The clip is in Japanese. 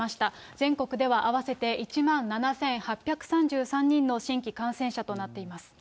全国では合わせて１万７８３３人の新規感染者となっています。